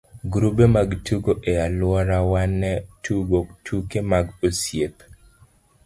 grube mag tugo e alworawa ne tugo tuke mag osiep.